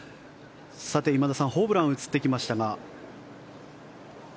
さて、今田さんホブランが映ってきましたが。